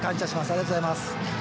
ありがとうございます。